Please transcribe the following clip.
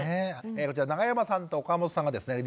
こちら永山さんと岡本さんがですね